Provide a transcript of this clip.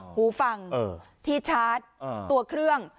หูฟังที่ชาร์จตัวเครื่อง